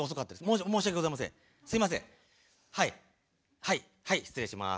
はいはい失礼します。